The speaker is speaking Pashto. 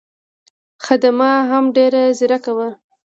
خدمه هم ډېره ځیرکه وه.